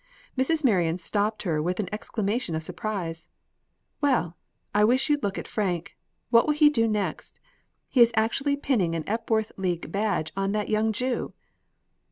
Mrs. Marion stopped her with an exclamation of surprise. "Well, I wish you'd look at Frank! What will he do next? He is actually pinning an Epworth League badge on that young Jew!"